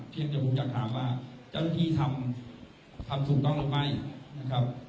จนผมอยากถามว่าเจ้าหน้าที่ทำทำถูกต้องหรือไม่นะครับ